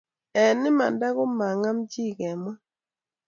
Eng' imanda ko ma ng'am che kemwa